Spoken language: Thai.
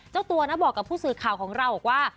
เจ้าตัวนะบอกกับผู้สื่อข่าวของเราบอกว่า